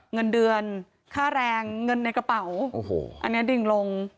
เงินเดือนค่าแรงเงินในกระเป๋าโอ้โหอันนี้ดิ่งลง